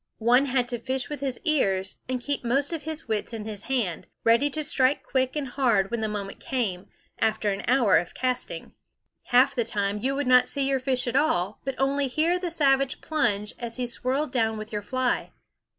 One had to fish with his ears, and keep most of his wits in his hand, ready to strike quick and hard when the moment came, after an hour of casting. Half the time you would not see your fish at all, but only hear the savage plunge as he swirled down with your fly.